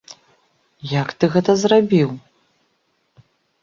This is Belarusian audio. Як ты гэта зрабіў?